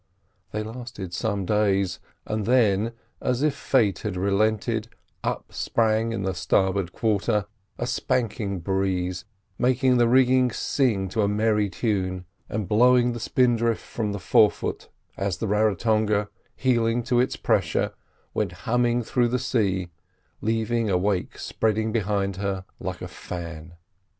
They lasted some days, and then, as if Fate had relented, up sprang on the starboard quarter a spanking breeze, making the rigging sing to a merry tune, and blowing the spindrift from the forefoot, as the Raratonga, heeling to its pressure, went humming through the sea, leaving a wake spreading behind her like a fan.